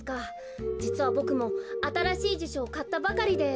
じつはボクもあたらしいじしょをかったばかりで。